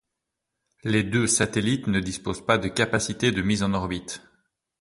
Les deux satellites ne disposent pas de capacité de mise en orbite.